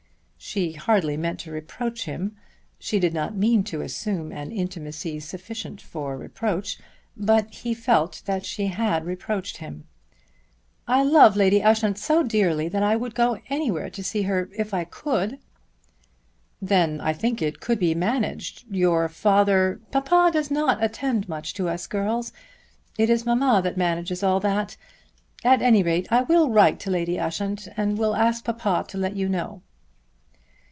She hardly meant to reproach him. She did not mean to assume an intimacy sufficient for reproach. But he felt that she had reproached him. "I love Lady Ushant so dearly that I would go anywhere to see her if I could." "Then I think it could be managed. Your father " "Papa does not attend much to us girls. It is mamma that manages all that. At any rate, I will write to Lady Ushant, and will ask papa to let you know."